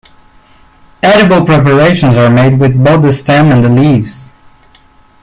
Edible preparations are made with both the stem and the leaves.